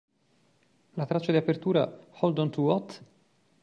La traccia di apertura "Hold on to What?